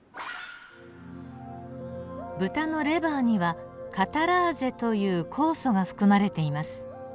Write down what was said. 豚のレバーにはカタラーゼという酵素が含まれています。